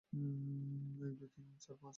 এক, দুই, তিন, চার, পাঁচ।